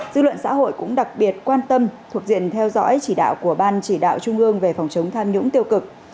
dư luận xã hội cũng đặc biệt quan tâm thuộc diện theo dõi chỉ đạo của ban chỉ đạo trung ương về phòng chống tham nhũng tiêu cực